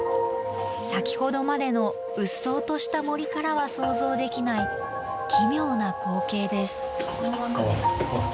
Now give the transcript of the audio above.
先ほどまでのうっそうとした森からは想像できない奇妙な光景です。